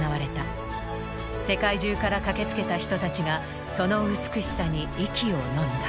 世界中から駆けつけた人たちがその美しさに息をのんだ。